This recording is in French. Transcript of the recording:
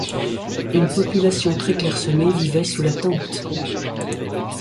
Une population très clairsemée vivait sous la tente.